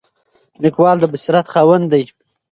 لیکوال د بصیرت خاوند دی.